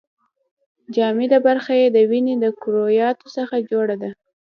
جامده برخه یې د وینې د کرویاتو څخه جوړه ده.